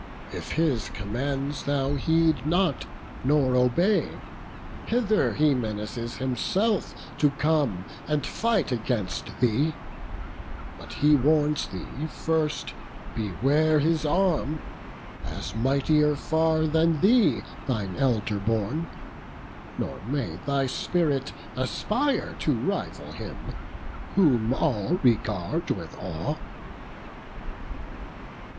If his commands thou heed not, nor obey, Hither he menaces himself to come, And fight against thee; but he warns thee first, Beware his arm, as mightier far than thee, Thine elder born; nor may thy spirit aspire To rival him, whom all regard with awe."